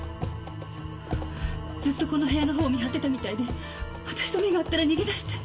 ずっとこの部屋のほうを見張ってたみたいで私と目が合ったら逃げ出して。